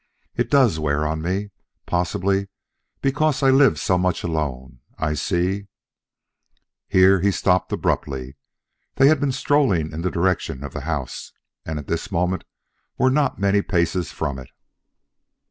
It does wear on me, possibly because I live so much alone. I see " Here he stopped abruptly. They had been strolling in the direction of the house, and at this moment were not many paces from it.